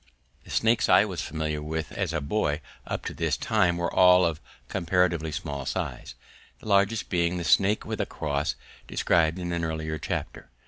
The snakes I was familiar with as a boy up to this time were all of comparatively small size, the largest being the snake with a cross, described in an early chapter.